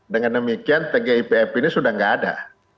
dengan demikian tgipf ini sudah tidak ada